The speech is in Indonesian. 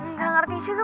nggak ngerti sih